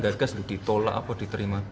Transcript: gagas ditolak atau diterima